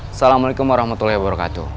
assalamualaikum warahmatullahi wabarakatuh